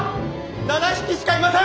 ７匹しかいません！